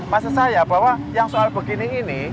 maksud saya bahwa yang soal begini ini